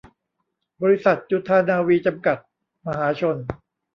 บริษัท จุฑานาวี จำกัด มหาชน